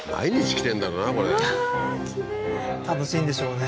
きれい楽しいんでしょうね